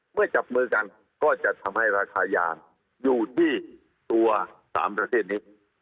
จับมือกันก็จะทำให้ราคายางอยู่ที่ตัว๓ประเทศนี้